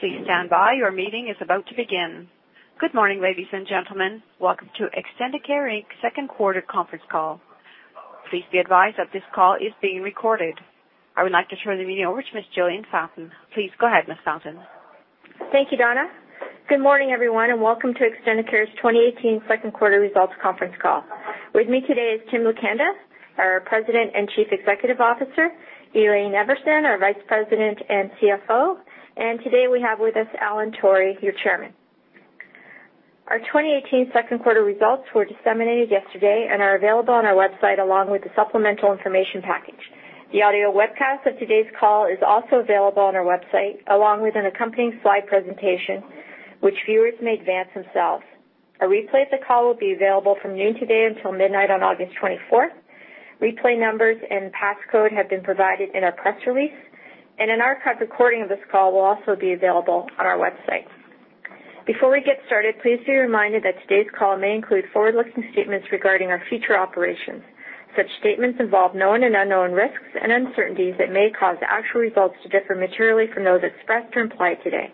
Please stand by. Your meeting is about to begin. Good morning, ladies and gentlemen. Welcome to Extendicare Inc.'s second quarter conference call. Please be advised that this call is being recorded. I would like to turn the meeting over to Ms. Jillian Fountain. Please go ahead, Ms. Fountain. Thank you, Donna. Good morning, everyone, and welcome to Extendicare's 2018 second quarter results conference call. With me today is Tim Lukenda, our President and Chief Executive Officer, Elaine Everson, our Vice President and CFO, and today we have with us Alan Torrie, your chairman. Our 2018 second quarter results were disseminated yesterday and are available on our website along with the supplemental information package. The audio webcast of today's call is also available on our website, along with an accompanying slide presentation which viewers may advance themselves. A replay of the call will be available from noon today until midnight on August 24th. Replay numbers and passcode have been provided in our press release, and an archived recording of this call will also be available on our website. Before we get started, please be reminded that today's call may include forward-looking statements regarding our future operations. Such statements involve known and unknown risks and uncertainties that may cause actual results to differ materially from those expressed or implied today.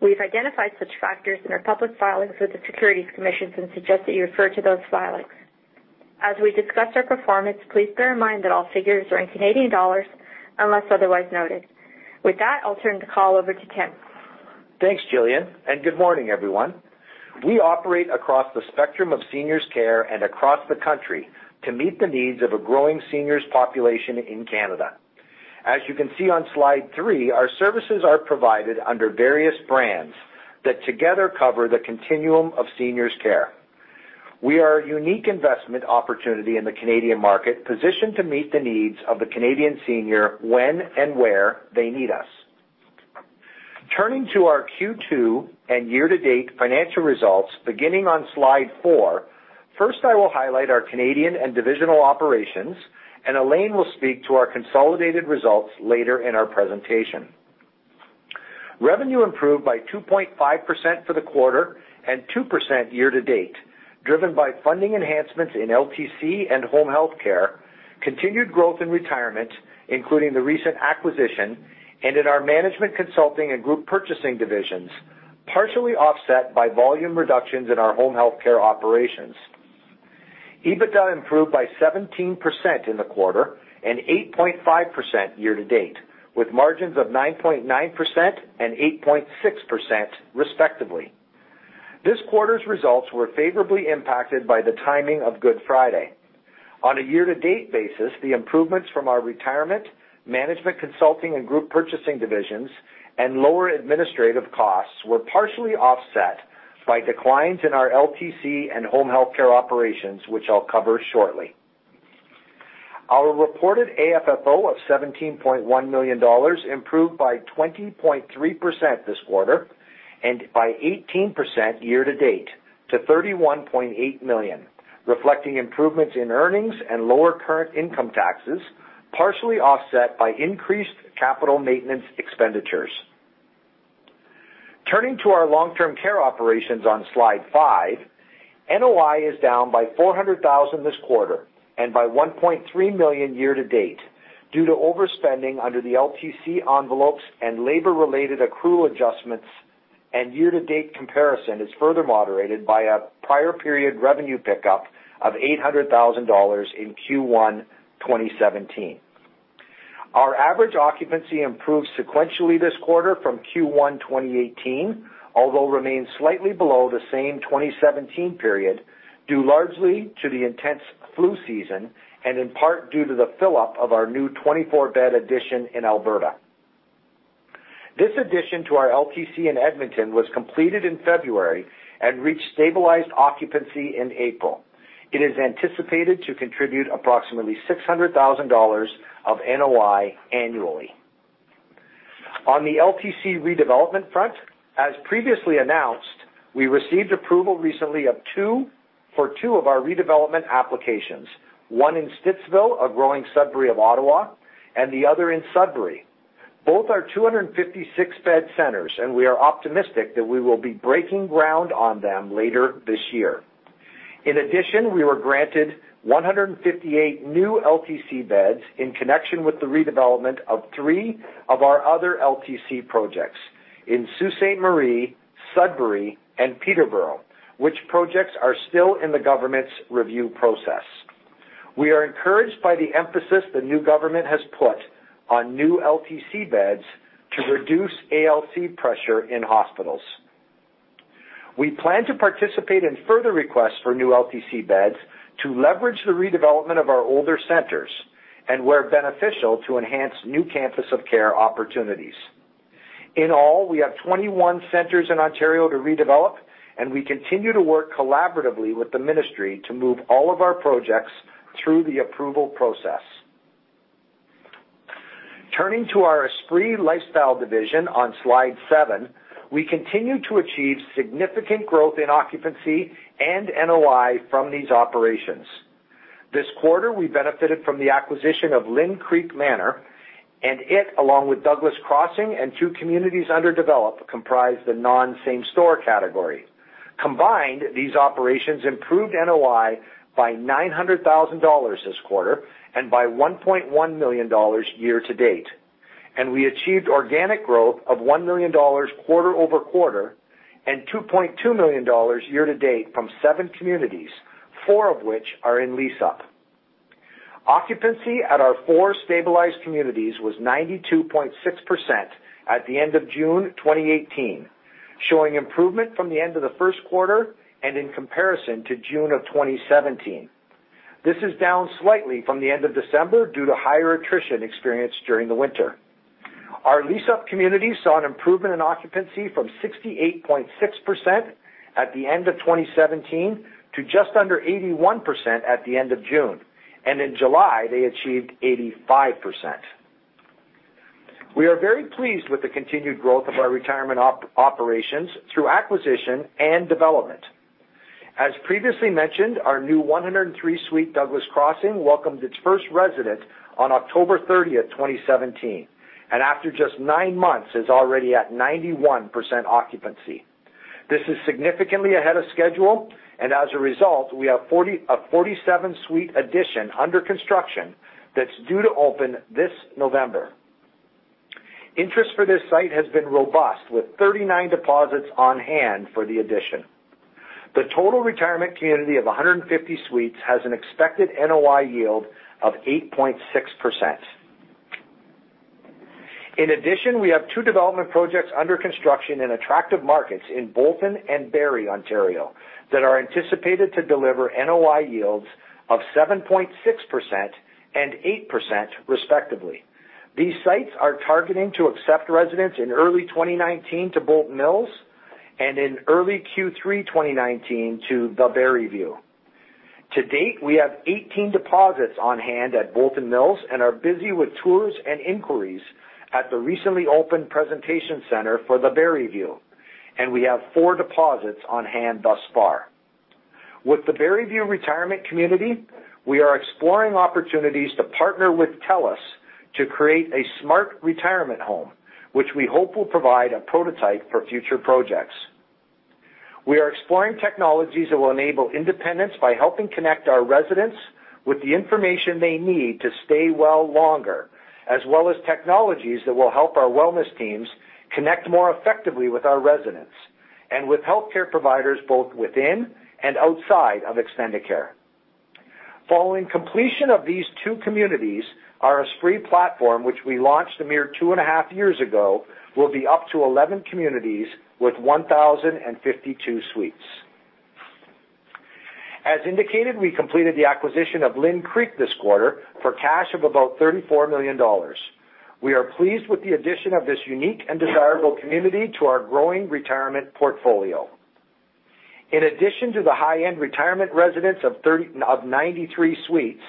We've identified such factors in our public filings with the Securities Commission and suggest that you refer to those filings. As we discuss our performance, please bear in mind that all figures are in Canadian dollars unless otherwise noted. With that, I'll turn the call over to Tim. Thanks, Jillian. Good morning, everyone. We operate across the spectrum of seniors care and across the country to meet the needs of a growing seniors population in Canada. As you can see on slide three, our services are provided under various brands that together cover the continuum of seniors care. We are a unique investment opportunity in the Canadian market, positioned to meet the needs of the Canadian senior when and where they need us. Turning to our Q2 and year-to-date financial results beginning on slide four, first I will highlight our Canadian and divisional operations. Elaine will speak to our consolidated results later in our presentation. Revenue improved by 2.5% for the quarter and 2% year-to-date, driven by funding enhancements in LTC and home health care, continued growth in retirement, including the recent acquisition, and in our management consulting and group purchasing divisions, partially offset by volume reductions in our home health care operations. EBITDA improved by 17% in the quarter and 8.5% year-to-date, with margins of 9.9% and 8.6% respectively. This quarter's results were favorably impacted by the timing of Good Friday. On a year-to-date basis, the improvements from our retirement, management consulting and group purchasing divisions and lower administrative costs were partially offset by declines in our LTC and home health care operations, which I'll cover shortly. Our reported AFFO of 17.1 million dollars improved by 20.3% this quarter and by 18% year-to-date to 31.8 million, reflecting improvements in earnings and lower current income taxes, partially offset by increased capital maintenance expenditures. Turning to our long-term care operations on Slide 5, NOI is down by 400,000 this quarter and by 1.3 million year-to-date due to overspending under the LTC envelopes and labor-related accrual adjustments, and year-to-date comparison is further moderated by a prior period revenue pickup of 800,000 dollars in Q1 2017. Our average occupancy improved sequentially this quarter from Q1 2018, although remains slightly below the same 2017 period, due largely to the intense flu season and in part due to the fill-up of our new 24-bed addition in Alberta. This addition to our LTC in Edmonton was completed in February and reached stabilized occupancy in April. It is anticipated to contribute approximately 600,000 dollars of NOI annually. On the LTC redevelopment front, as previously announced, we received approval recently for two of our redevelopment applications, one in Stittsville, a growing suburb of Ottawa, and the other in Sudbury. Both are 256-bed centers. We are optimistic that we will be breaking ground on them later this year. In addition, we were granted 158 new LTC beds in connection with the redevelopment of three of our other LTC projects in Sault Ste. Marie, Sudbury, and Peterborough, which projects are still in the government's review process. We are encouraged by the emphasis the new government has put on new LTC beds to reduce ALC pressure in hospitals. We plan to participate in further requests for new LTC beds to leverage the redevelopment of our older centers and where beneficial to enhance new campus of care opportunities. In all, we have 21 centers in Ontario to redevelop, and we continue to work collaboratively with the ministry to move all of our projects through the approval process. Turning to our Esprit Lifestyle Communities on Slide 7, we continue to achieve significant growth in occupancy and NOI from these operations. This quarter, we benefited from the acquisition of Lynde Creek Manor, and it, along with Douglas Crossing and two communities under develop, comprise the non-same-store category. Combined, these operations improved NOI by 900,000 dollars this quarter and by 1.1 million dollars year-to-date. We achieved organic growth of 1 million dollars quarter over quarter and 2.2 million dollars year-to-date from seven communities, four of which are in lease-up. Occupancy at our four stabilized communities was 92.6% at the end of June 2018, showing improvement from the end of the first quarter and in comparison to June of 2017. This is down slightly from the end of December due to higher attrition experienced during the winter. Our lease-up community saw an improvement in occupancy from 68.6% at the end of 2017 to just under 81% at the end of June. In July, they achieved 85%. We are very pleased with the continued growth of our retirement operations through acquisition and development. As previously mentioned, our new 103-suite Douglas Crossing welcomed its first resident on October 30th, 2017, and after just nine months is already at 91% occupancy. This is significantly ahead of schedule, and as a result, we have a 47-suite addition under construction that's due to open this November. Interest for this site has been robust, with 39 deposits on hand for the addition. The total retirement community of 150 suites has an expected NOI yield of 8.6%. In addition, we have two development projects under construction in attractive markets in Bolton and Barrie, Ontario, that are anticipated to deliver NOI yields of 7.6% and 8%, respectively. These sites are targeting to accept residents in early 2019 to Bolton Mills and in early Q3 2019 to The Barrieview. To date, we have 18 deposits on hand at Bolton Mills and are busy with tours and inquiries at the recently opened presentation center for The Barrieview. We have four deposits on hand thus far. With The Barrieview retirement community, we are exploring opportunities to partner with TELUS to create a smart retirement home, which we hope will provide a prototype for future projects. We are exploring technologies that will enable independence by helping connect our residents with the information they need to stay well longer, as well as technologies that will help our wellness teams connect more effectively with our residents and with healthcare providers both within and outside of Extendicare. Following completion of these two communities, our Esprit platform, which we launched a mere two and a half years ago, will be up to 11 communities with 1,052 suites. As indicated, we completed the acquisition of Lynde Creek this quarter for cash of about 34 million dollars. We are pleased with the addition of this unique and desirable community to our growing retirement portfolio. In addition to the high-end retirement residents of 93 suites,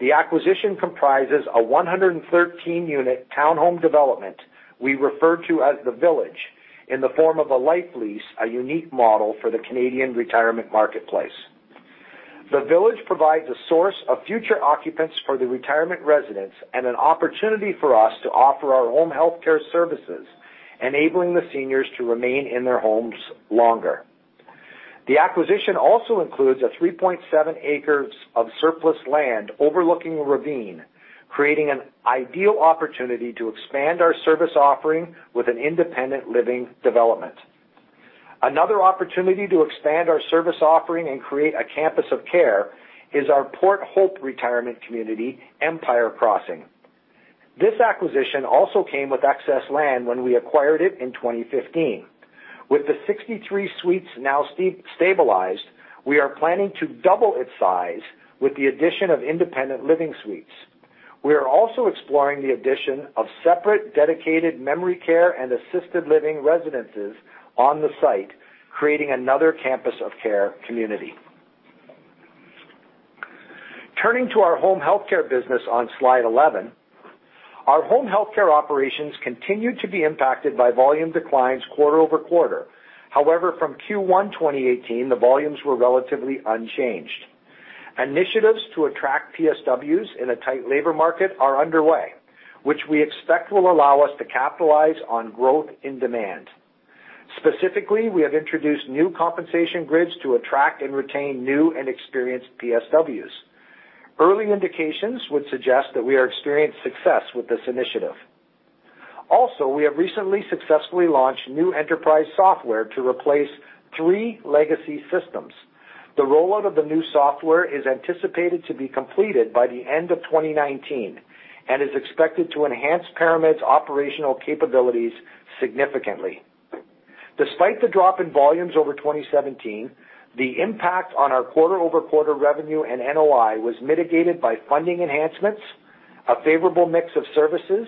the acquisition comprises a 113-unit townhome development we refer to as The Village, in the form of a life lease, a unique model for the Canadian retirement marketplace. The Village provides a source of future occupants for the retirement residents and an opportunity for us to offer our home healthcare services, enabling the seniors to remain in their homes longer. The acquisition also includes 3.7 acres of surplus land overlooking a ravine, creating an ideal opportunity to expand our service offering with an independent living development. Another opportunity to expand our service offering and create a campus of care is our Port Hope retirement community, Empire Crossing. This acquisition also came with excess land when we acquired it in 2015. With the 63 suites now stabilized, we are planning to double its size with the addition of independent living suites. We are also exploring the addition of separate dedicated memory care and assisted living residences on the site, creating another campus of care community. Turning to our home healthcare business on slide 11. Our home healthcare operations continued to be impacted by volume declines quarter-over-quarter. From Q1 2018, the volumes were relatively unchanged. Initiatives to attract PSWs in a tight labor market are underway, which we expect will allow us to capitalize on growth in demand. Specifically, we have introduced new compensation grids to attract and retain new and experienced PSWs. Early indications would suggest that we are experienced success with this initiative. We have recently successfully launched new enterprise software to replace three legacy systems. The rollout of the new software is anticipated to be completed by the end of 2019, and is expected to enhance ParaMed's operational capabilities significantly. Despite the drop in volumes over 2017, the impact on our quarter-over-quarter revenue and NOI was mitigated by funding enhancements, a favorable mix of services,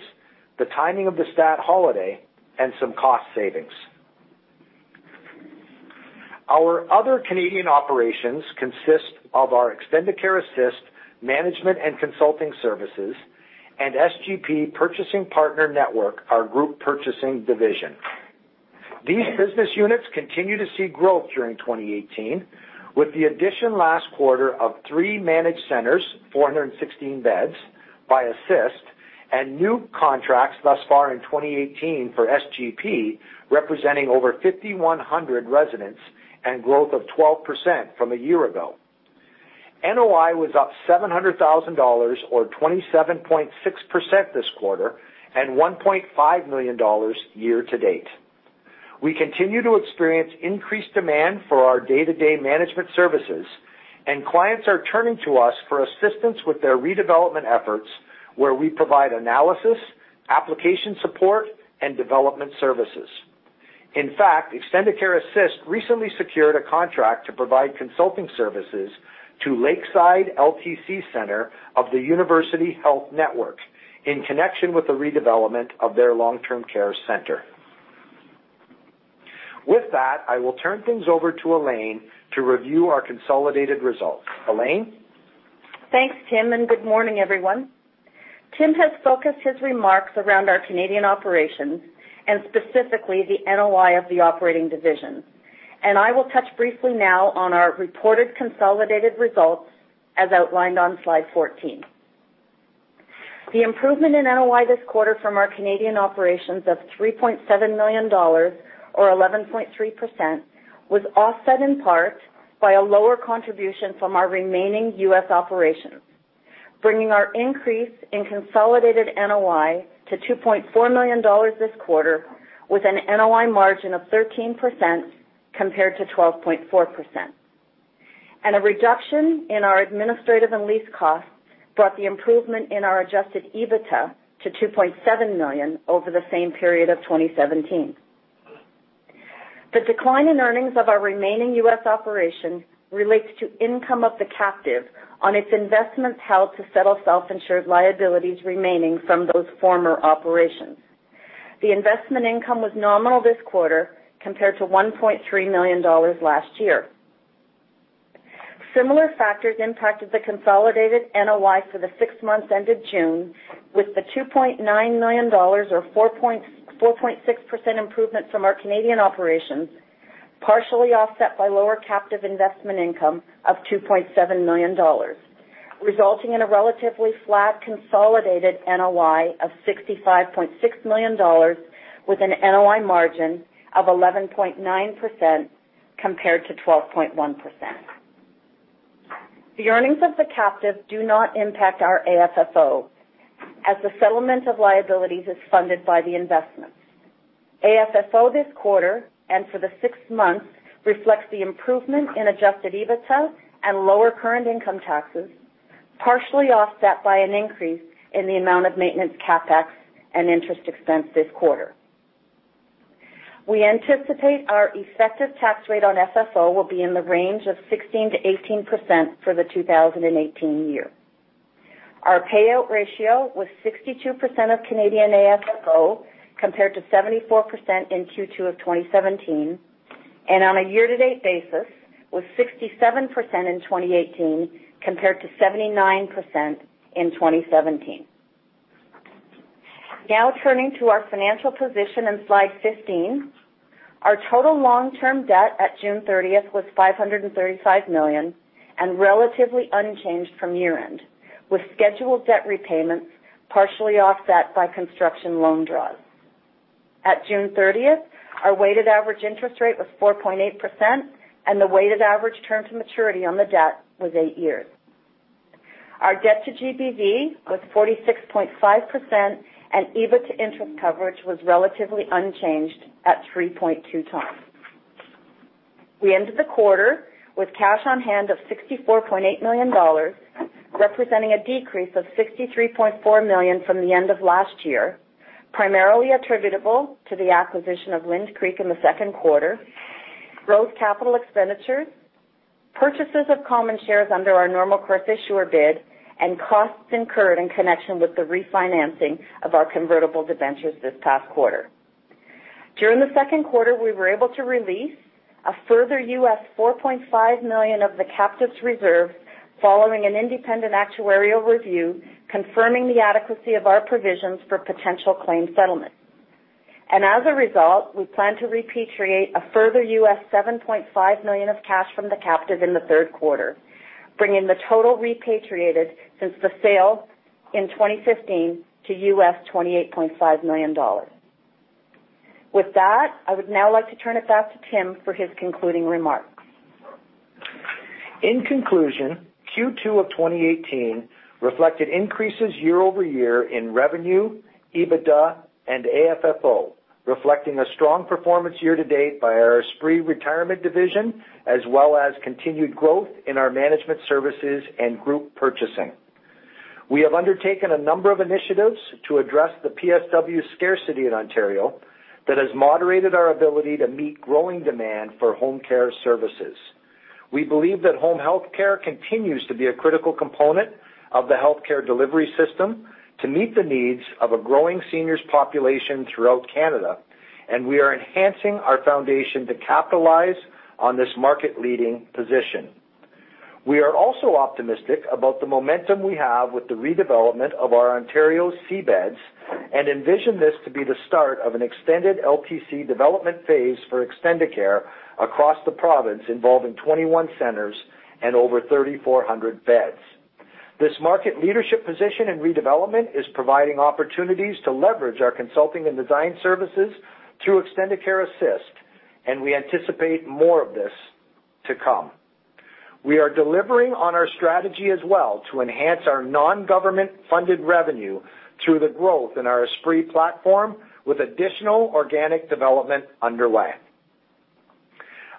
the timing of the stat holiday, and some cost savings. Our other Canadian operations consist of our Extendicare Assist management and consulting services and SGP Purchasing Partner Network, our group purchasing division. These business units continue to see growth during 2018, with the addition last quarter of three managed centers, 416 beds by Assist. New contracts thus far in 2018 for SGP, representing over 5,100 residents and growth of 12% from a year ago. NOI was up 700,000 dollars, or 27.6% this quarter, and 1.5 million dollars year-to-date. We continue to experience increased demand for our day-to-day management services. Clients are turning to us for assistance with their redevelopment efforts, where we provide analysis, application support, and development services. In fact, Extendicare Assist recently secured a contract to provide consulting services to Lakeside Long-Term Care Centre of the University Health Network in connection with the redevelopment of their long-term care center. With that, I will turn things over to Elaine to review our consolidated results. Elaine? Thanks, Tim. Good morning, everyone. Tim has focused his remarks around our Canadian operations, specifically, the NOI of the operating division. I will touch briefly now on our reported consolidated results as outlined on slide 14. The improvement in NOI this quarter from our Canadian operations of 3.7 million dollars, or 11.3%, was offset in part by a lower contribution from our remaining U.S. operations, bringing our increase in consolidated NOI to 2.4 million dollars this quarter, with an NOI margin of 13% compared to 12.4%. A reduction in our administrative and lease costs brought the improvement in our adjusted EBITDA to 2.7 million over the same period of 2017. The decline in earnings of our remaining U.S. operations relates to income of the captive on its investments held to settle self-insured liabilities remaining from those former operations. The investment income was nominal this quarter compared to 1.3 million dollars last year. Similar factors impacted the consolidated NOI for the six months ended June, with the 2.9 million dollars or 4.6% improvement from our Canadian operations, partially offset by lower captive investment income of 2.7 million dollars, resulting in a relatively flat consolidated NOI of 65.6 million dollars with an NOI margin of 11.9% compared to 12.1%. The earnings of the captive do not impact our AFFO, as the settlement of liabilities is funded by the investments. AFFO this quarter and for the six months reflects the improvement in adjusted EBITDA and lower current income taxes, partially offset by an increase in the amount of maintenance CapEx and interest expense this quarter. We anticipate our effective tax rate on FFO will be in the range of 16%-18% for the 2018 year. Our payout ratio was 62% of Canadian AFFO, compared to 74% in Q2 of 2017, and on a year-to-date basis, was 67% in 2018, compared to 79% in 2017. Turning to our financial position on slide 15. Our total long-term debt at June 30th was 535 million and relatively unchanged from year-end, with scheduled debt repayments partially offset by construction loan draws. At June 30th, our weighted average interest rate was 4.8%, and the weighted average term to maturity on the debt was eight years. Our debt to GPV was 46.5%, and EBITDA interest coverage was relatively unchanged at 3.2 times. We ended the quarter with cash on hand of 64.8 million dollars, representing a decrease of 63.4 million from the end of last year, primarily attributable to the acquisition of Lynde Creek in the second quarter, growth capital expenditures, purchases of common shares under our normal course issuer bid, and costs incurred in connection with the refinancing of our convertible debentures this past quarter. During the second quarter, we were able to release a further US $4.5 million of the captive's reserves following an independent actuarial review, confirming the adequacy of our provisions for potential claim settlement. As a result, we plan to repatriate a further US $7.5 million of cash from the captive in the third quarter, bringing the total repatriated since the sale in 2015 to US $28.5 million. With that, I would now like to turn it back to Tim for his concluding remarks. In conclusion, Q2 of 2018 reflected increases year-over-year in revenue, EBITDA, and AFFO, reflecting a strong performance year-to-date by our Esprit Retirement Division, as well as continued growth in our management services and group purchasing. We have undertaken a number of initiatives to address the PSW scarcity in Ontario that has moderated our ability to meet growing demand for home care services. We believe that home healthcare continues to be a critical component of the healthcare delivery system to meet the needs of a growing seniors population throughout Canada, and we are enhancing our foundation to capitalize on this market-leading position. We are also optimistic about the momentum we have with the redevelopment of our Ontario Class C beds and envision this to be the start of an extended LTC development phase for Extendicare across the province, involving 21 centers and over 3,400 beds. This market leadership position and redevelopment is providing opportunities to leverage our consulting and design services through Extendicare Assist, and we anticipate more of this to come. We are delivering on our strategy as well to enhance our non-government funded revenue through the growth in our Esprit platform, with additional organic development underway.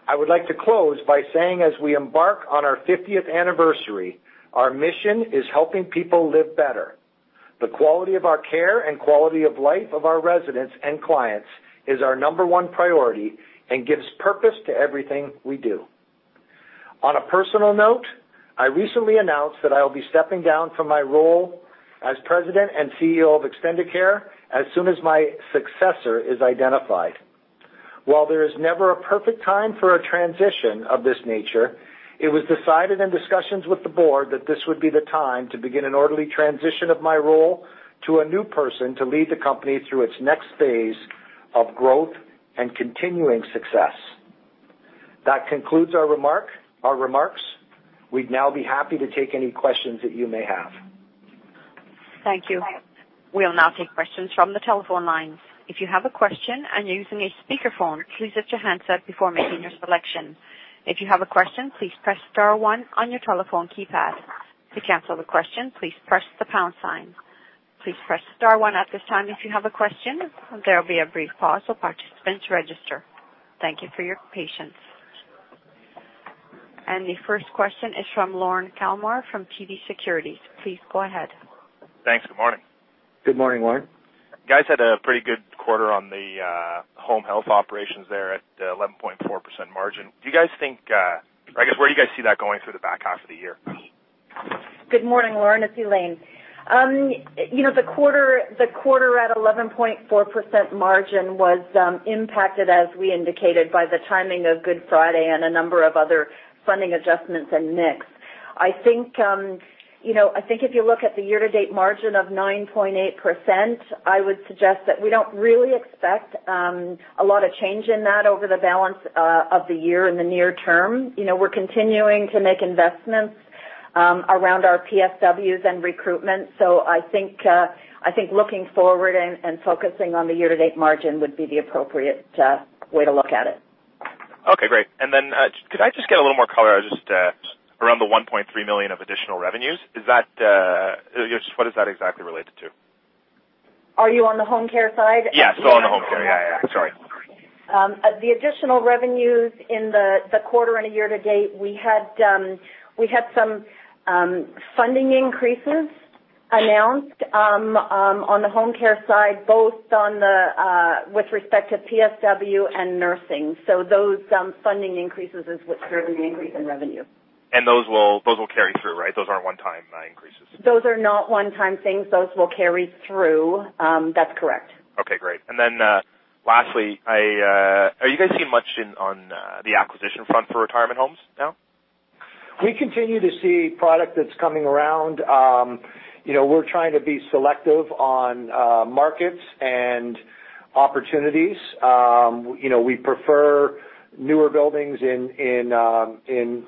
I would like to close by saying, as we embark on our 50th anniversary, our mission is helping people live better. The quality of our care and quality of life of our residents and clients is our number one priority and gives purpose to everything we do. On a personal note, I recently announced that I'll be stepping down from my role as President and CEO of Extendicare as soon as my successor is identified. While there is never a perfect time for a transition of this nature, it was decided in discussions with the board that this would be the time to begin an orderly transition of my role to a new person to lead the company through its next phase of growth and continuing success. That concludes our remarks. We'd now be happy to take any questions that you may have. Thank you. We'll now take questions from the telephone lines. If you have a question and you're using a speakerphone, please mute your handset before making your selection. If you have a question, please press star one on your telephone keypad. To cancel the question, please press the pound sign. Please press star one at this time if you have a question, there will be a brief pause for participants to register. Thank you for your patience. The first question is from Lorne Kalmar from TD Securities. Please go ahead. Thanks. Good morning. Good morning, Lorne. You guys had a pretty good quarter on the home health operations there at 11.4% margin. I guess, where do you guys see that going through the back half of the year? Good morning, Lorne. It's Elaine. The quarter at 11.4% margin was impacted, as we indicated by the timing of Good Friday and a number of other funding adjustments and mix. I think if you look at the year-to-date margin of 9.8%, I would suggest that we don't really expect a lot of change in that over the balance of the year in the near term. We're continuing to make investments around our PSWs and recruitment. I think looking forward and focusing on the year-to-date margin would be the appropriate way to look at it. Okay, great. Could I just get a little more color just around the 1.3 million of additional revenues. What is that exactly related to? Are you on the home care side? Yes. On the home care. Yeah. Sorry. The additional revenues in the quarter and year to date, we had some funding increases announced on the home care side, both with respect to PSW and nursing. Those funding increases is what's driven the increase in revenue. Those will carry through, right? Those aren't one time increases. Those are not one time things. Those will carry through. That's correct. Okay, great. Lastly, are you guys seeing much on the acquisition front for retirement homes now? We continue to see product that's coming around. We're trying to be selective on markets and opportunities. We prefer newer buildings in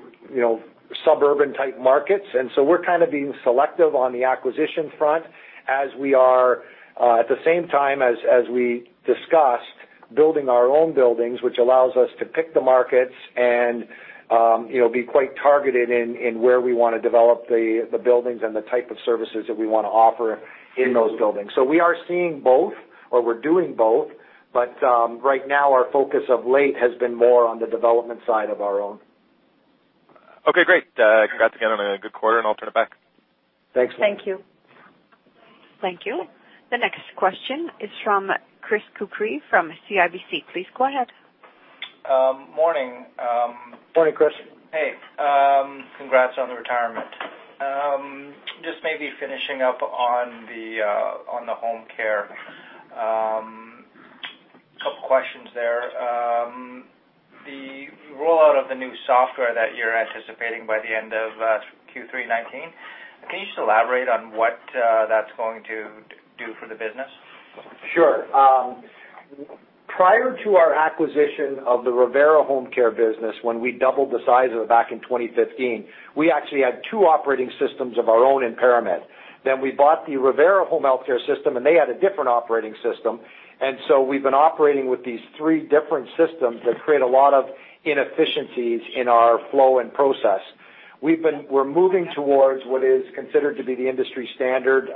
suburban-type markets. We're kind of being selective on the acquisition front, as we are at the same time as we discussed building our own buildings, which allows us to pick the markets and be quite targeted in where we want to develop the buildings and the type of services that we want to offer in those buildings. We are seeing both or we're doing both. Right now, our focus of late has been more on the development side of our own. Okay, great. Congrats again on a good quarter. I'll turn it back. Thanks. Thank you. Thank you. The next question is from Chris Couprie from CIBC. Please go ahead. Morning. Morning, Chris. Hey. Congrats on the retirement. Just maybe finishing up on the home care. A couple of questions there. The rollout of the new software that you're anticipating by the end of Q3-19, can you just elaborate on what that's going to do for the business? Sure. Prior to our acquisition of the Revera Home Health business, when we doubled the size of it back in 2015, we actually had two operating systems of our own in ParaMed. We bought the Revera Home Health system, and they had a different operating system. We've been operating with these three different systems that create a lot of inefficiencies in our flow and process. We're moving towards what is considered to be the industry standard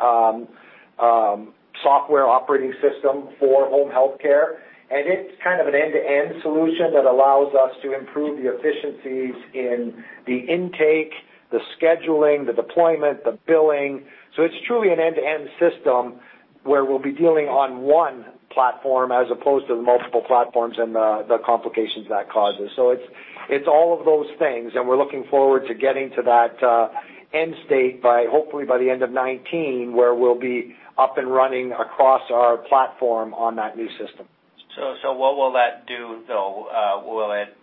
software operating system for home health care, and it's kind of an end-to-end solution that allows us to improve the efficiencies in the intake, the scheduling, the deployment, the billing. It's truly an end-to-end system where we'll be dealing on one platform as opposed to the multiple platforms and the complications that causes. It's all of those things. We're looking forward to getting to that end state, hopefully by the end of 2019, where we'll be up and running across our platform on that new system. What will that do, though? Will it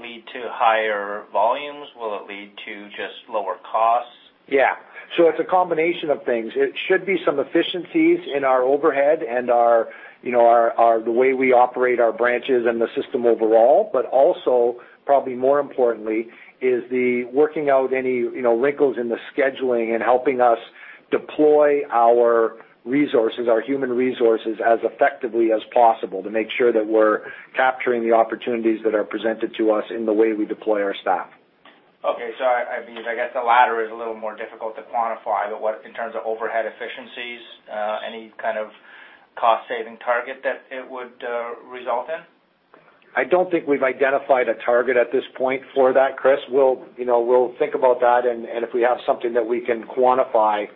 lead to higher volumes? Will it lead to just lower costs? Yeah. It's a combination of things. It should be some efficiencies in our overhead and the way we operate our branches and the system overall, also probably more importantly, is the working out any wrinkles in the scheduling and helping us deploy our human resources as effectively as possible to make sure that we're capturing the opportunities that are presented to us in the way we deploy our staff. I guess the latter is a little more difficult to quantify, but in terms of overhead efficiencies, any kind of cost saving target that it would result in? I don't think we've identified a target at this point for that, Chris. We'll think about that, and if we have something that we can quantify,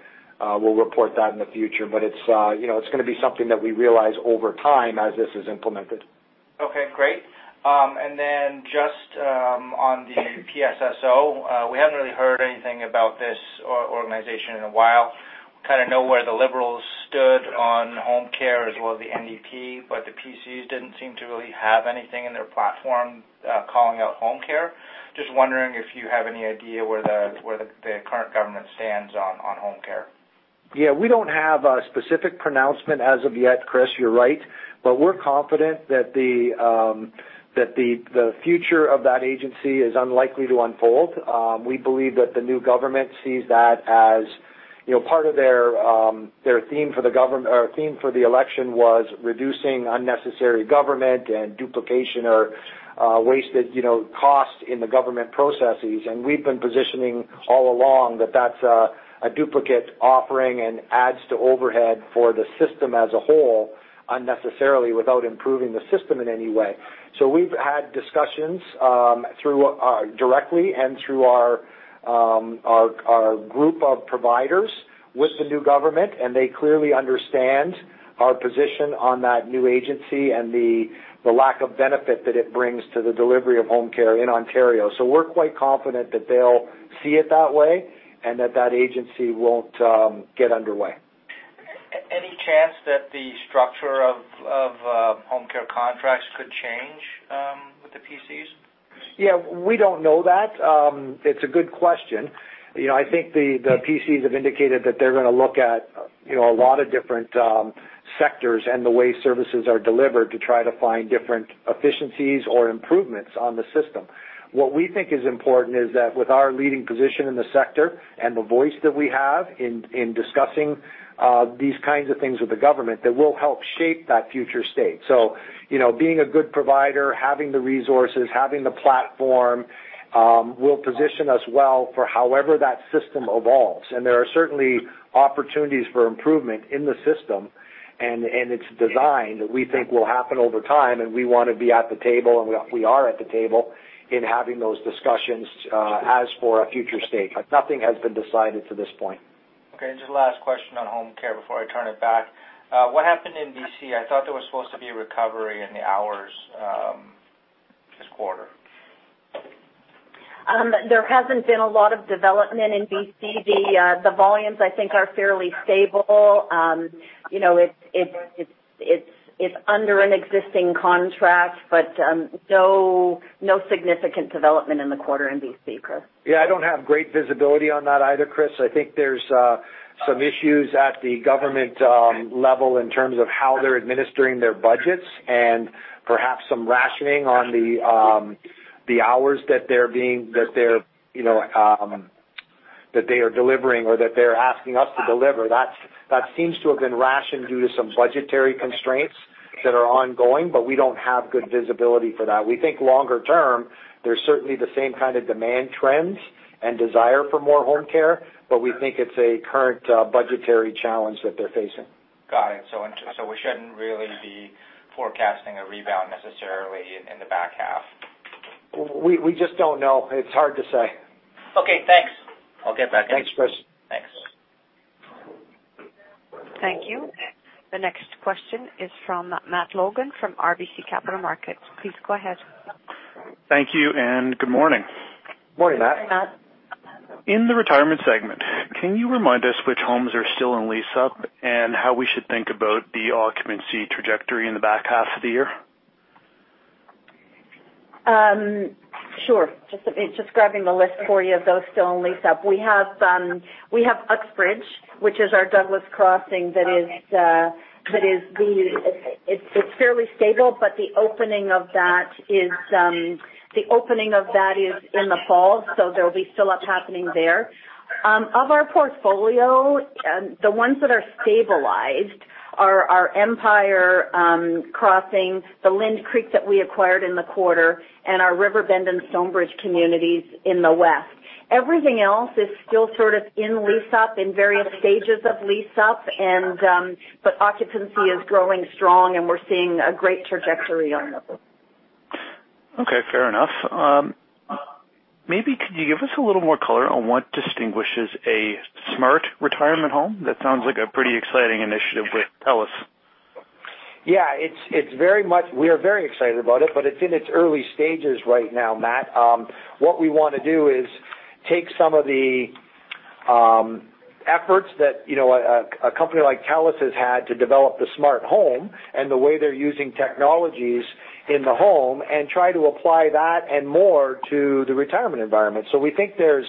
we'll report that in the future, but it's going to be something that we realize over time as this is implemented. Okay, great. Just on the PSSO, we haven't really heard anything about this organization in a while, kind of know where the Liberals stood on home care as well as the NDP, but the PCs didn't seem to really have anything in their platform, calling out home care. Just wondering if you have any idea where the current government stands on home care. Yeah, we don't have a specific pronouncement as of yet, Chris, you're right. We're confident that the future of that agency is unlikely to unfold. We believe that the new government sees that as part of their theme for the election was reducing unnecessary government and duplication or wasted costs in the government processes. We've been positioning all along that that's a duplicate offering and adds to overhead for the system as a whole unnecessarily without improving the system in any way. We've had discussions directly and through our group of providers with the new government, and they clearly understand our position on that new agency and the lack of benefit that it brings to the delivery of home care in Ontario. We're quite confident that they'll see it that way and that agency won't get underway. Any chance that the structure of home care contracts could change with the PCs? Yeah, we don't know that. It's a good question. I think the PCs have indicated that they're going to look at a lot of different sectors and the way services are delivered to try to find different efficiencies or improvements on the system. What we think is important is that with our leading position in the sector and the voice that we have in discussing these kinds of things with the government, that we'll help shape that future state. Being a good provider, having the resources, having the platform, will position us well for however that system evolves. There are certainly opportunities for improvement in the system and its design that we think will happen over time, and we want to be at the table, and we are at the table in having those discussions, as for a future state. Nothing has been decided to this point. Okay, just last question on home care before I turn it back. What happened in BC? I thought there was supposed to be a recovery in the hours, this quarter. There hasn't been a lot of development in BC. The volumes, I think, are fairly stable. It's under an existing contract, but no significant development in the quarter in BC, Chris. Yeah, I don't have great visibility on that either, Chris. I think there's some issues at the government level in terms of how they're administering their budgets and perhaps some rationing on the hours that they are delivering or that they're asking us to deliver. That seems to have been rationed due to some budgetary constraints that are ongoing, but we don't have good visibility for that. We think longer term, there's certainly the same kind of demand trends and desire for more home care, but we think it's a current budgetary challenge that they're facing. We shouldn't really be forecasting a rebound necessarily in the back half. We just don't know. It's hard to say. Okay, thanks. I'll get back to you. Thanks, Chris. Thanks. Thank you. The next question is from Matt Logan, from RBC Capital Markets. Please go ahead. Thank you, good morning. Morning, Matt. Morning, Matt. In the retirement segment, can you remind us which homes are still in lease-up and how we should think about the occupancy trajectory in the back half of the year? Sure. Just grabbing the list for you of those still in lease-up. We have Uxbridge, which is our Douglas Crossing that is. It's fairly stable, but the opening of that is in the fall, so there'll be still a lot happening there. Of our portfolio, the ones that are stabilized are our Empire Crossing, the Lynde Creek that we acquired in the quarter, and our Riverbend and Stonebridge communities in the west. Everything else is still sort of in lease-up, in various stages of lease-up, but occupancy is growing strong, and we're seeing a great trajectory on those. Okay, fair enough. Maybe could you give us a little more color on what distinguishes a smart retirement home? That sounds like a pretty exciting initiative with TELUS. Yeah, we are very excited about it's in its early stages right now, Matt. What we want to do is take some of the efforts that a company like TELUS has had to develop the smart home, the way they're using technologies in the home, and try to apply that and more to the retirement environment. We think there's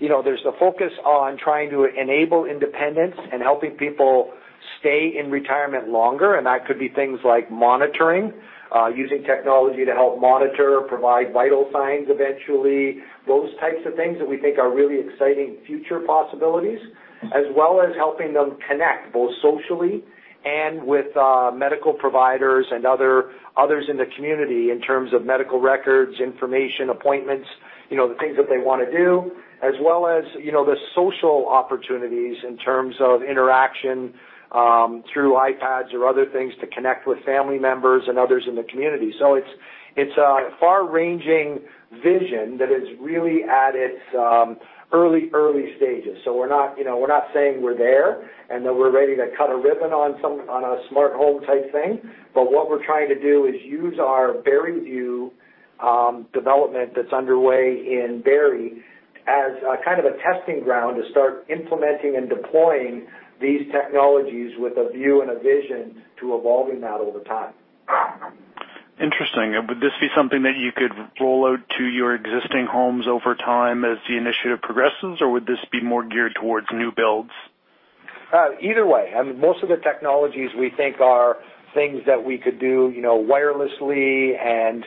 the focus on trying to enable independence and helping people stay in retirement longer, that could be things like monitoring, using technology to help monitor, provide vital signs eventually. Those types of things that we think are really exciting future possibilities, as well as helping them connect, both socially and with medical providers and others in the community in terms of medical records, information, appointments, the things that they want to do. As well as the social opportunities in terms of interaction through iPads or other things to connect with family members and others in the community. It's a far-ranging vision that is really at its early stages. We're not saying we're there and that we're ready to cut a ribbon on a smart home type thing. What we're trying to do is use our Barrieview development that's underway in Barrie as a kind of a testing ground to start implementing and deploying these technologies with a view and a vision to evolving that over time. Interesting. Would this be something that you could roll out to your existing homes over time as the initiative progresses, or would this be more geared towards new builds? Either way. Most of the technologies we think are things that we could do wirelessly and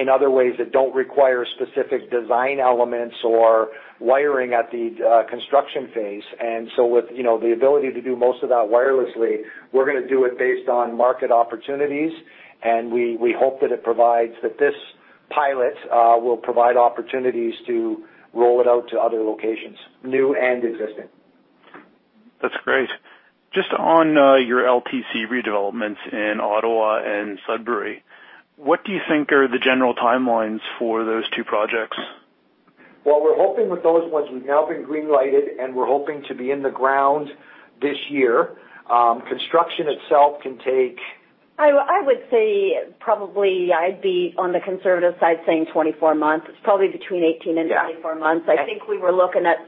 in other ways that don't require specific design elements or wiring at the construction phase. With the ability to do most of that wirelessly, we're going to do it based on market opportunities. We hope that this pilot will provide opportunities to roll it out to other locations, new and existing. That's great. Just on your LTC redevelopments in Ottawa and Sudbury, what do you think are the general timelines for those two projects? What we're hoping with those ones, we've now been green-lighted, and we're hoping to be in the ground this year. Construction itself can. I would say probably I'd be on the conservative side saying 24 months. It's probably between 18 and 24 months. Yeah. I think we were looking at,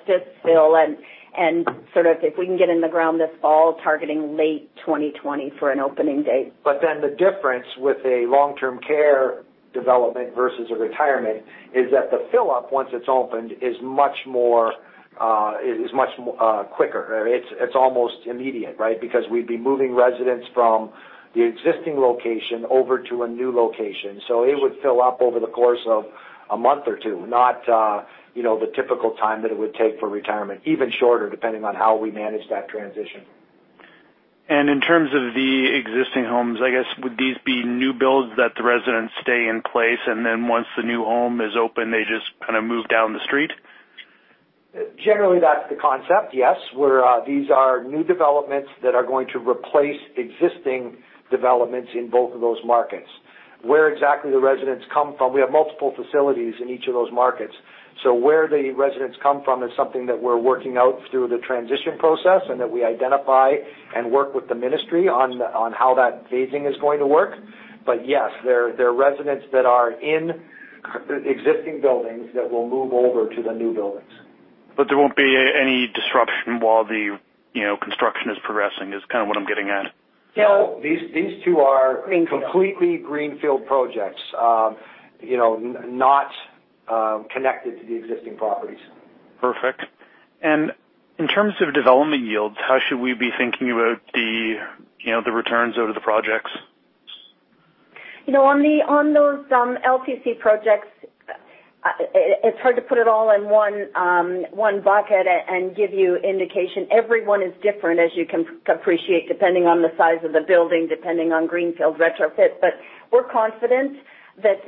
[inaudible] and sort of if we can get in the ground this fall, targeting late 2020 for an opening date. The difference with a Long-Term Care development versus a retirement is that the fill-up, once it's opened, is much quicker. It's almost immediate, right? Because we'd be moving residents from the existing location over to a new location. It would fill up over the course of a month or two, not the typical time that it would take for retirement, even shorter, depending on how we manage that transition. In terms of the existing homes, I guess, would these be new builds that the residents stay in place, and then once the new home is open, they just kind of move down the street? Generally, that's the concept, yes. These are new developments that are going to replace existing developments in both of those markets. Where exactly the residents come from, we have multiple facilities in each of those markets. Where the residents come from is something that we're working out through the transition process, and that we identify and work with the ministry on how that phasing is going to work. Yes, they're residents that are in existing buildings that will move over to the new buildings. There won't be any disruption while the construction is progressing, is kind of what I'm getting at. No. These two. Greenfield They are completely greenfield projects, not connected to the existing properties. Perfect. In terms of development yields, how should we be thinking about the returns out of the projects? On those LTC projects, it is hard to put it all in one bucket and give you indication. Every one is different, as you can appreciate, depending on the size of the building, depending on greenfield retrofit. We are confident that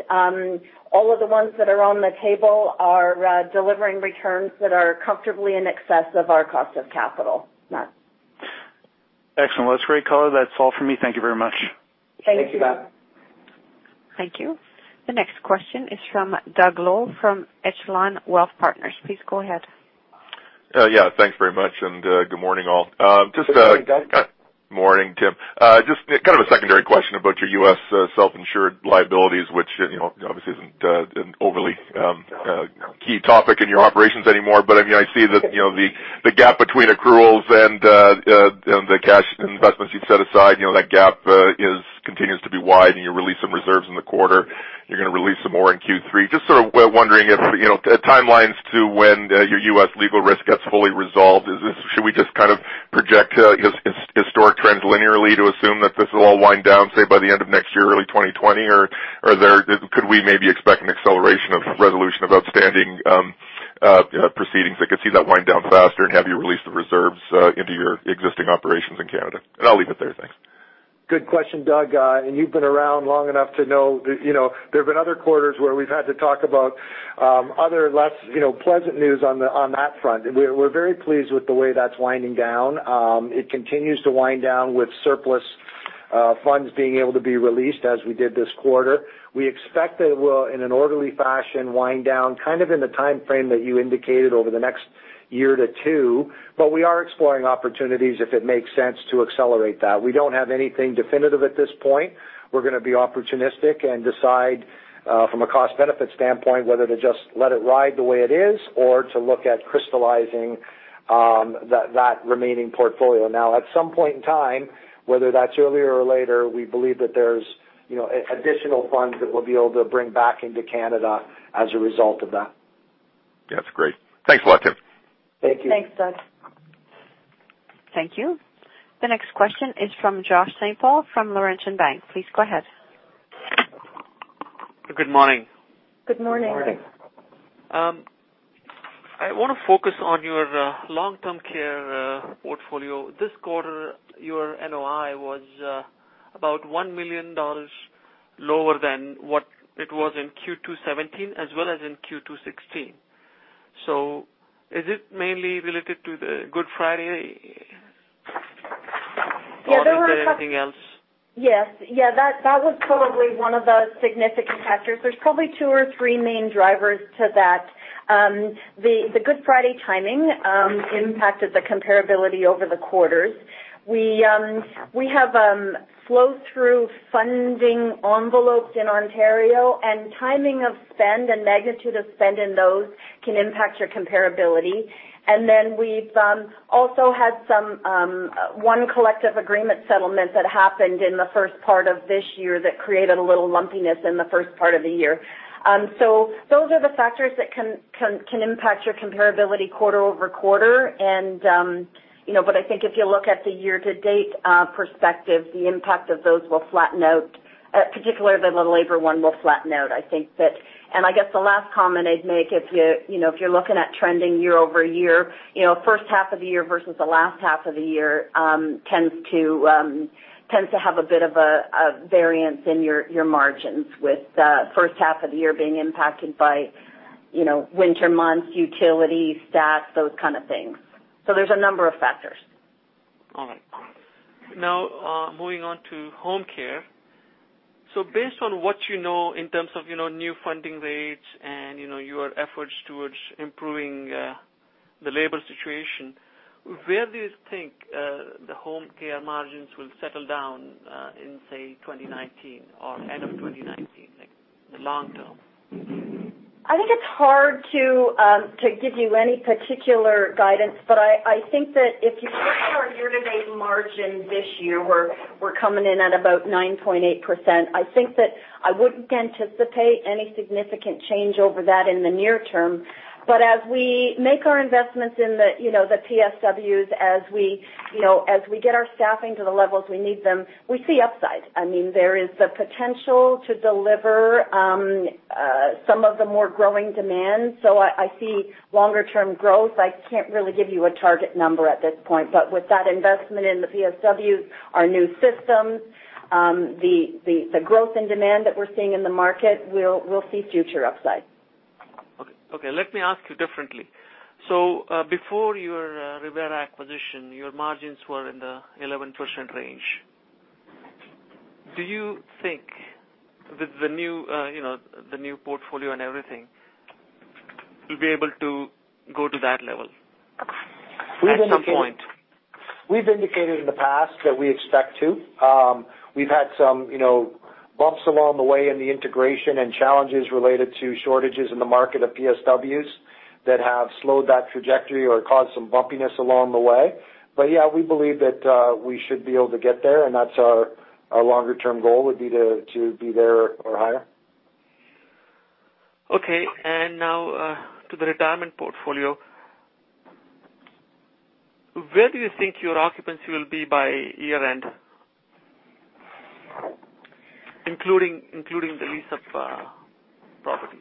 all of the ones that are on the table are delivering returns that are comfortably in excess of our cost of capital. Excellent. Well, that's great, color. That's all for me. Thank you very much. Thank you. Thank you, Matt. Thank you. The next question is from Doug Loe from Echelon Wealth Partners. Please go ahead. Yeah. Thanks very much, good morning, all. Good morning, Doug. Morning, Tim. I see that the gap between accruals and the cash investments you've set aside, that gap continues to be wide, and you released some reserves in the quarter, and you're going to release some more in Q3. Just sort of wondering if timelines to when your U.S. legal risk gets fully resolved, should we just kind of project historic trends linearly to assume that this will all wind down, say, by the end of next year, early 2020? Could we maybe expect an acceleration of resolution of outstanding proceedings that could see that wind down faster and have you release the reserves into your existing operations in Canada? I'll leave it there. Thanks. Good question, Doug. You've been around long enough to know there have been other quarters where we've had to talk about other less pleasant news on that front. We're very pleased with the way that's winding down. It continues to wind down with surplus funds being able to be released as we did this quarter. We expect that it will, in an orderly fashion, wind down kind of in the timeframe that you indicated over the next year to two. We are exploring opportunities if it makes sense to accelerate that. We don't have anything definitive at this point. We're going to be opportunistic and decide, from a cost-benefit standpoint, whether to just let it ride the way it is or to look at crystallizing that remaining portfolio. At some point in time, whether that's earlier or later, we believe that there's additional funds that we'll be able to bring back into Canada as a result of that. That's great. Thanks a lot, Tim. Thank you. Thanks, Doug. Thank you. The next question is from Jonathan St-Paul from Laurentian Bank. Please go ahead. Good morning. Good morning. Good morning. I want to focus on your long-term care portfolio. This quarter, your NOI was about 1 million dollars lower than what it was in Q2 2017, as well as in Q2 2016. Is it mainly related to the Good Friday? Or? Yeah. Is there anything else? Yes. That was probably one of the significant factors. There's probably two or three main drivers to that. The Good Friday timing impacted the comparability over the quarters. We have flow-through funding envelopes in Ontario, timing of spend and magnitude of spend in those can impact your comparability. Then we've also had one collective agreement settlement that happened in the first part of this year that created a little lumpiness in the first part of the year. Those are the factors that can impact your comparability quarter-over-quarter. I think if you look at the year-to-date perspective, the impact of those will flatten out. Particularly, the labor one will flatten out, I think. I guess the last comment I'd make, if you're looking at trending year-over-year, first half of the year versus the last half of the year tends to have a bit of a variance in your margins, with the first half of the year being impacted by winter months, utilities, staff, those kind of things. There's a number of factors. All right. Now, moving on to home care. Based on what you know in terms of new funding rates and your efforts towards improving the labor situation, where do you think the home care margins will settle down in, say, 2019 or end of 2019, like the long term? I think it's hard to give you any particular guidance, but I think that if you look at our year-to-date margin this year, we're coming in at about 9.8%. I think that I wouldn't anticipate any significant change over that in the near term. As we make our investments in the PSWs, as we get our staffing to the levels we need them, we see upside. There is the potential to deliver some of the more growing demands. I see longer-term growth. I can't really give you a target number at this point. With that investment in the PSWs, our new systems, the growth and demand that we're seeing in the market, we'll see future upside. Okay. Let me ask you differently. Before your Revera acquisition, your margins were in the 11% range. Do you think that the new portfolio and everything will be able to go to that level at some point? We've indicated in the past that we expect to. We've had some bumps along the way in the integration and challenges related to shortages in the market of PSWs that have slowed that trajectory or caused some bumpiness along the way. Yeah, we believe that we should be able to get there, and that's our longer-term goal, would be to be there or higher. Okay. Now, to the retirement portfolio, where do you think your occupancy will be by year-end, including the lease-up properties?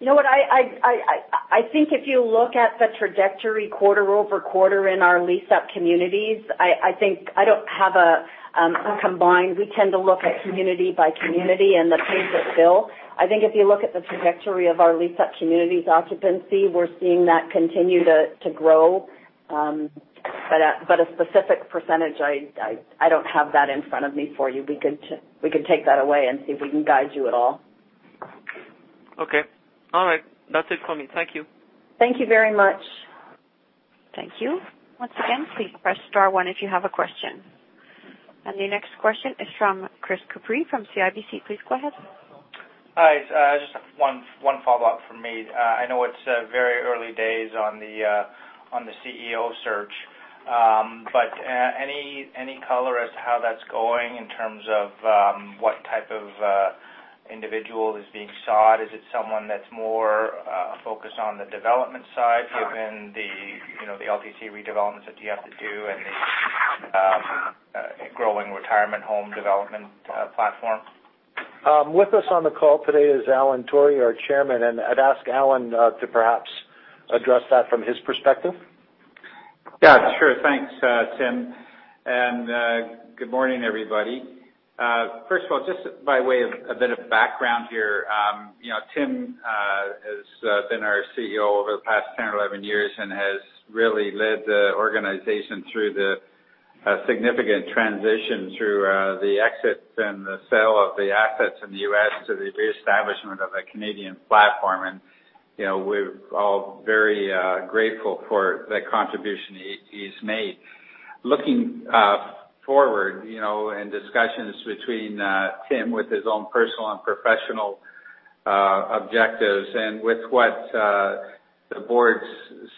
You know what? I think if you look at the trajectory quarter-over-quarter in our leased-up communities, I don't have a. We tend to look at community by community and the pace of fill. I think if you look at the trajectory of our leased-up communities' occupancy, we're seeing that continue to grow. A specific percentage, I don't have that in front of me for you. We can take that away and see if we can guide you at all. Okay. All right. That's it for me. Thank you. Thank you very much. Thank you. Once again, please press star one if you have a question. The next question is from Chris Couprie from CIBC. Please go ahead. Hi. Just one follow-up from me. I know it's very early days on the CEO search. Any color as to how that's going in terms of what type of individual is being sought? Is it someone that's more focused on the development side, given the LTC redevelopments that you have to do and the growing retirement home development platform? With us on the call today is Alan Torrie, our Chairman, and I'd ask Alan to perhaps address that from his perspective. Yeah, sure. Thanks, Tim, and good morning, everybody. First of all, just by way of a bit of background here, Tim has been our CEO over the past 10 or 11 years and has really led the organization through a significant transition through the exit and the sale of the assets in the U.S. to the reestablishment of a Canadian platform, and we're all very grateful for the contribution he's made. Looking forward, in discussions between Tim with his own personal and professional objectives and with what the board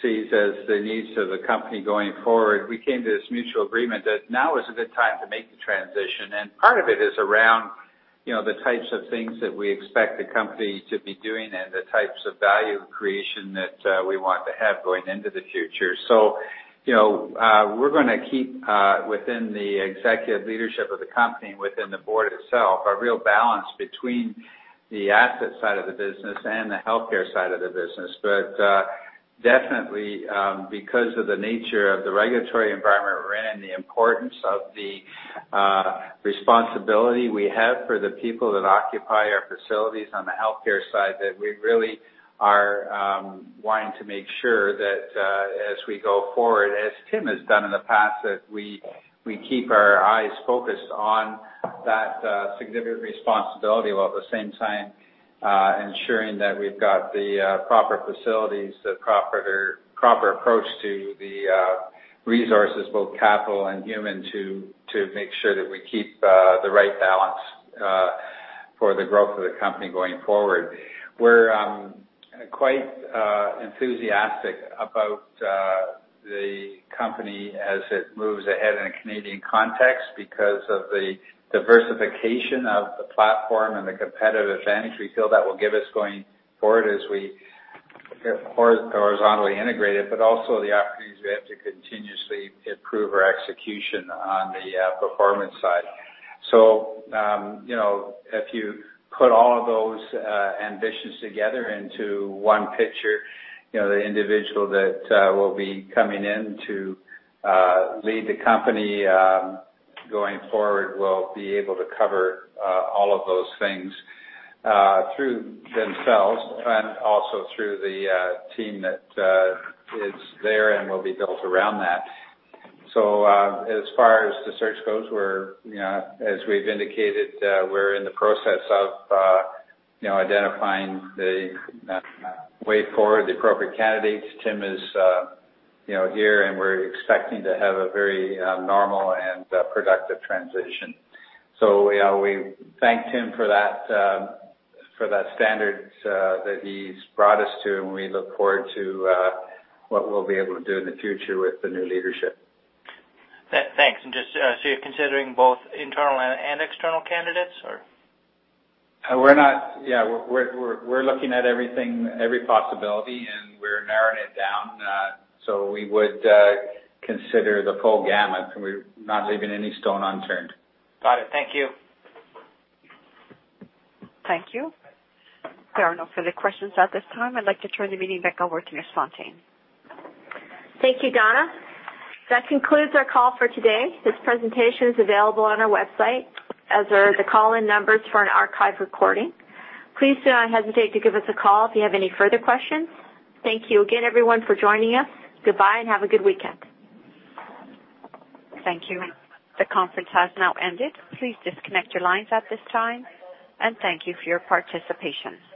sees as the needs of the company going forward, we came to this mutual agreement that now is a good time to make the transition. Part of it is around the types of things that we expect the company to be doing and the types of value creation that we want to have going into the future. We're going to keep within the executive leadership of the company, within the board itself, a real balance between the asset side of the business and the healthcare side of the business. Definitely, because of the nature of the regulatory environment we're in, the importance of the responsibility we have for the people that occupy our facilities on the healthcare side, that we really are wanting to make sure that as we go forward, as Tim has done in the past, that we keep our eyes focused on that significant responsibility. While at the same time, ensuring that we've got the proper facilities, the proper approach to the resources, both capital and human, to make sure that we keep the right balance for the growth of the company going forward. We're quite enthusiastic about the company as it moves ahead in a Canadian context because of the diversification of the platform and the competitive advantage we feel that will give us going forward as we horizontally integrate it, but also the opportunities we have to continuously improve our execution on the performance side. If you put all of those ambitions together into one picture, the individual that will be coming in to lead the company going forward will be able to cover all of those things through themselves and also through the team that is there and will be built around that. As far as the search goes, as we've indicated, we're in the process of identifying the way forward, the appropriate candidates. Tim is here, and we're expecting to have a very normal and productive transition. We thank Tim for that standards that he's brought us to, and we look forward to what we'll be able to do in the future with the new leadership. Thanks. Just so you're considering both internal and external candidates, or? We're looking at every possibility, and we're narrowing it down. We would consider the full gamut and we're not leaving any stone unturned. Got it. Thank you. Thank you. There are no further questions at this time. I'd like to turn the meeting back over to Ms. Fountain. Thank you, Donna. That concludes our call for today. This presentation is available on our website, as are the call-in numbers for an archive recording. Please do not hesitate to give us a call if you have any further questions. Thank you again, everyone, for joining us. Goodbye and have a good weekend. Thank you. The conference has now ended. Please disconnect your lines at this time, and thank you for your participation.